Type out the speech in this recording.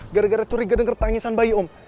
gara gara curiga denger tangisan bayi om